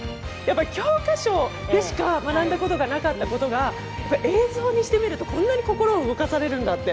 教科書でしか学んだことがなかったことが映像にしてみるとこんなに心を動かされるんだって。